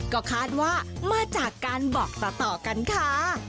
ก็คาดว่ามาจากการบอกต่อกันค่ะ